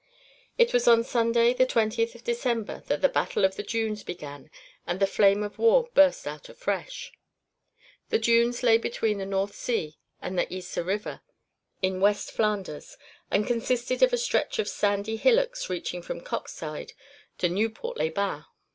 It was on Sunday, the twentieth of December, that the Battle of the Dunes began and the flames of war burst out afresh. The dunes lay between the North Sea and the Yser River in West Flanders and consisted of a stretch of sandy hillocks reaching from Coxyde to Nieuport les Bains.